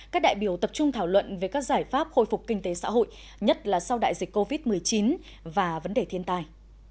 các đại biểu tập trung thảo luận về các giải pháp khôi phục kinh tế xã hội nhất là sau đại dịch covid một mươi chín và vấn đề thiên tài